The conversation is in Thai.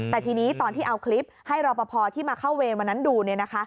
แต่ทีนี้ตอนที่เอาคลิปให้รอปภที่มาเข้าเวรวันนั้นดู